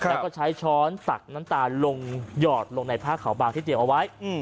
แล้วก็ใช้ช้อนตักน้ำตาลลงหยอดลงในผ้าขาวบางที่เตรียมเอาไว้